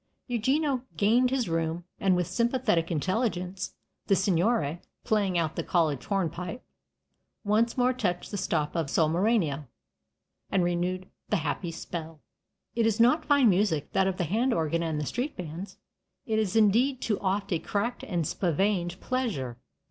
Eugenio gained his room, and with sympathetic intelligence the signore, playing out the College Hornpipe, once more touched the stop of "So' marinaro," and renewed the happy spell. It is not fine music, that of the hand organ and the street bands; it is indeed too oft a cracked and spavined pleasure.